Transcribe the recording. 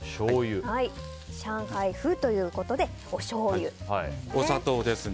上海風ということでおしょうゆですね。